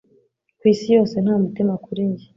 Kw'isi yose nta mutima kuri njye